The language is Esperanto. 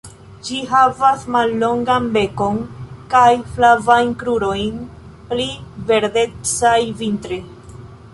Ĝi havas mallongan bekon kaj flavajn krurojn -pli verdecaj vintre-.